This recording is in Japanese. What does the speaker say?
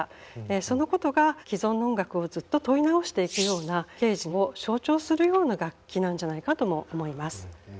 そのことが既存の音楽をずっと問い直していくようなケージを象徴するような楽器なんじゃないかとも思います。